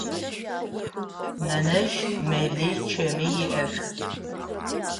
Нэнэжъ мэли чэми иӏэх.